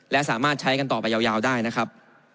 และสามารถใช้กันต่อไปยาวได้นะครับ